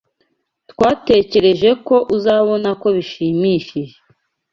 Twatekereje ko uzabona ko bishimishije.